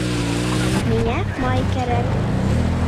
Миңә май кәрәк